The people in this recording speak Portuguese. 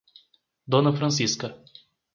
Dona Francisca